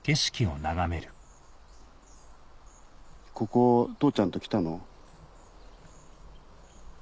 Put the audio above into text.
ここ父ちゃんと来たの？